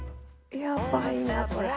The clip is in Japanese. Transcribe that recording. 「やばいなこれ」